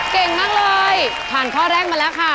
เก่งมากเลยผ่านข้อแรกมาแล้วค่ะ